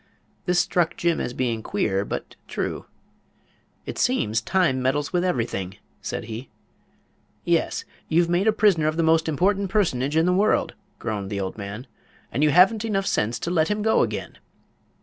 This struck Jim as being queer, but true. "It seems Time meddles with everything," said he. "Yes; you've made a prisoner of the most important personage in the world," groaned the old man; "and you haven't enough sense to let him go again."